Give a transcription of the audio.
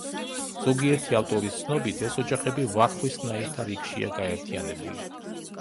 ზოგიერთი ავტორის ცნობით ეს ოჯახები ვარხვისნაირთა რიგშია გაერთიანებული.